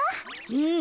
うん。